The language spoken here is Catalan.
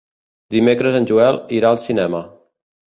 Dimecres en Joel irà al cinema.